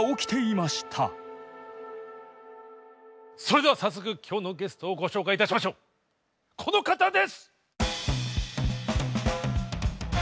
それでは早速今日のゲストをご紹介いたしましょうこの方です。